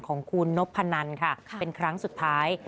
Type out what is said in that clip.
ของคุณนพนันค่ะเป็นครั้งสุดท้าย